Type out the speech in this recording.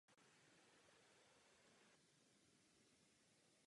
Fotografie proto byly zveřejněny v méně kritickém "Illustrated London News".